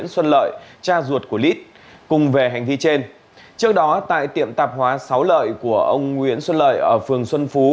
trước đó tại tiệm tạp hóa sáu lợi của ông nguyễn xuân lợi ở phường xuân phú